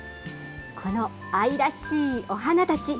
この愛らしいお花たち。